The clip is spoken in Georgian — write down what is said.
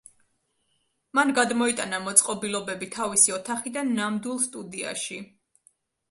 მან გადმოიტანა მოწყობილობები თავისი ოთახიდან ნამდვილ სტუდიაში.